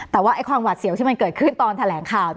แต่ว่าความหวัดเสียวที่มันเกิดขึ้นตอนแถลงข่าว